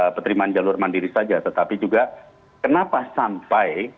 penerimaan jalur mandiri saja tetapi juga kenapa sampai